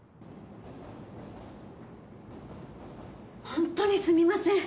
本当にすみません。